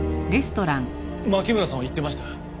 牧村さんは言っていました。